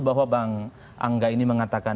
bahwa bang angga ini mengatakan